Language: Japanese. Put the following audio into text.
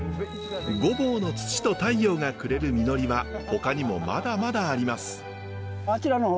御坊の土と太陽がくれる実りはほかにもまだまだあります。